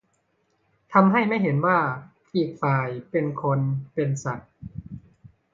ทำให้ไม่เห็นว่าอีกฝ่ายเป็นคน เป็นสัตว์